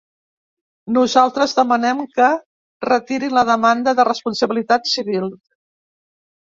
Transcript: Nosaltres demanem que retirin la demanda de responsabilitat civil.